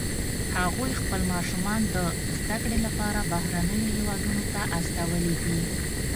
هغوی خپل ماشومان د زده کړې لپاره بهرنیو هیوادونو ته استولي دي